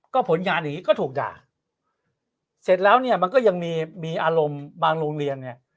ก็ผลงานอย่างนี้ก็ถูกด่าเสร็จแล้วเนี่ยมันก็ยังมีมีอารมณ์บางโรงเรียนเนี่ย